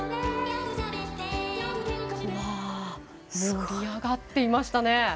盛り上がっていましたね。